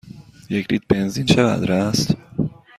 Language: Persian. یک لیتر بنزین چقدر است؟